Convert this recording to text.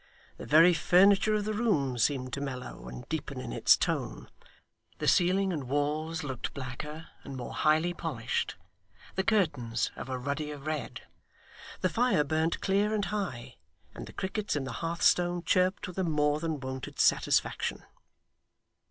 The very furniture of the room seemed to mellow and deepen in its tone; the ceiling and walls looked blacker and more highly polished, the curtains of a ruddier red; the fire burnt clear and high, and the crickets in the hearthstone chirped with a more than wonted satisfaction.